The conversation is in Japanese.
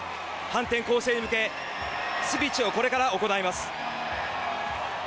反転攻勢に向け、スピーチをこれから行います。